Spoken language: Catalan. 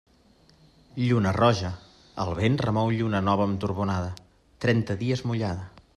Lluna roja, el vent remou Lluna nova amb torbonada, trenta dies mullada.